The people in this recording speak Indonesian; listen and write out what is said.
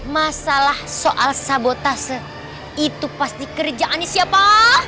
masalah soal sabotase itu pasti kerjaannya siapa